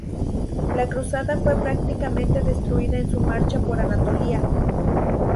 La Cruzada fue prácticamente destruida en su marcha por Anatolia.